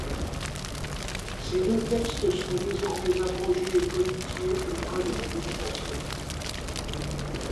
Ces deux textes sont désormais abrogés et codifiés au code de l'éducation.